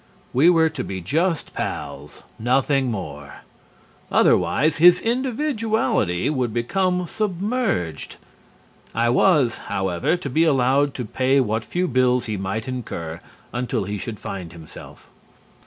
We were to be just pals, nothing more. Otherwise, his individuality would become submerged. I was, however, to be allowed to pay what few bills he might incur until he should find himself.